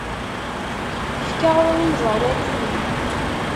Efk aɣrum i iẓawaliyen.